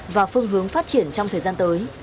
và phương hướng phát triển trong thời gian tới